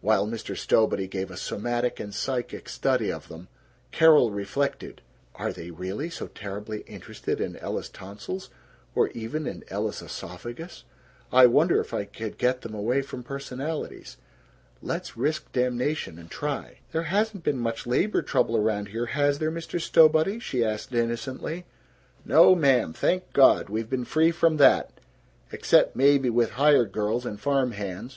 While Mr. Stowbody gave a somatic and psychic study of them, Carol reflected, "Are they really so terribly interested in Ella's tonsils, or even in Ella's esophagus? I wonder if I could get them away from personalities? Let's risk damnation and try." "There hasn't been much labor trouble around here, has there, Mr. Stowbody?" she asked innocently. "No, ma'am, thank God, we've been free from that, except maybe with hired girls and farm hands.